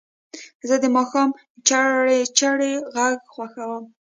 زه د ماښام چړچړ غږ خوښوم.